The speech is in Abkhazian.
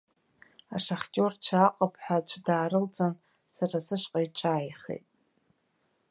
Ашахтиорцәа аҟыԥҳәа аӡәы даарылҵын сара сышҟа иҿааихеит.